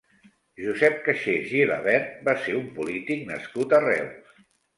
Josep Caixés Gilabert va ser un polític nascut a Reus.